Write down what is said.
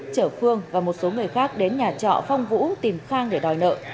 chở phương và một số người khác đến nhà trọ phong vũ tìm khang để đòi nợ